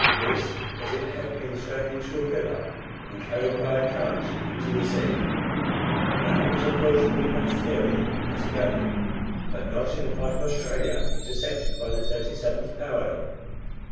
viz., that it had been thrown into a river and carried by a current into the sea. That was a plausible enough theory in Patagonia, but not in the part of Australia intersected by the 37th parallel.